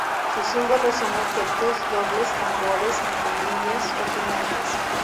Sus símbolos son objetos dobles: tambores, campanillas o tinajas.